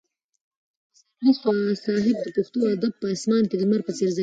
پسرلي صاحب د پښتو ادب په اسمان کې د لمر په څېر ځلېږي.